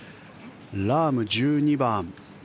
ラーム、１２番。